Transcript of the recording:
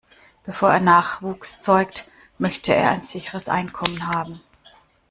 Bevor er Nachwuchs zeugt, möchte er ein sicheres Einkommen haben.